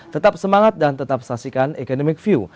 tetap semangat dan tetap saksikan economic view